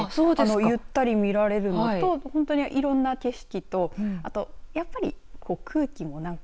ゆったり見られるのといろんな景色とあとやっぱり空気もなんか。